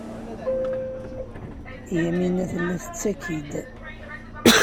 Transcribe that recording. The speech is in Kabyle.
Yamina tella tettaki-d.